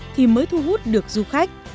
thì mới thu hút được du khách